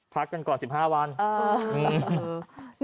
พักกันก่อน๑๕วัน